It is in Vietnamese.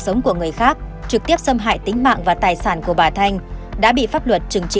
sống của người khác trực tiếp xâm hại tính mạng và tài sản của bà thanh đã bị pháp luật trừng trị